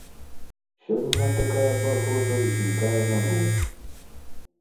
Сёння такая пагроза ўзнікае наноў.